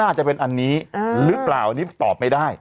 อาจจะเป็นอันนี้หรือเปล่าอันนี้ตอบไม่ได้